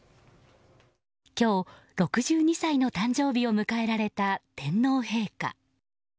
今日、６２歳の誕生日を迎えられた天皇陛下。